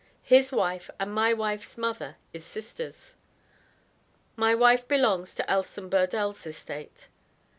His wife and my wife's mother is sisters. My wife belongs to Elson Burdel's estate.